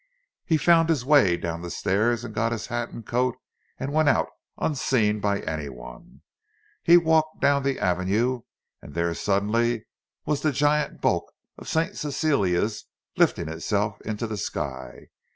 He found his way down the stairs, and got his hat and coat, and went out, unseen by anyone. He walked down the Avenue—and there suddenly was the giant bulk of St. Cecilia's lifting itself into the sky.